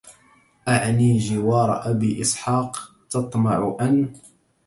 أعن جوار أبي إسحاق تطمع أن